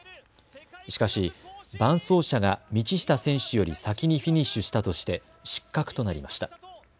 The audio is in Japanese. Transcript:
しかし、伴走者が道下選手より先にフィニッシュしたとして失格となりました。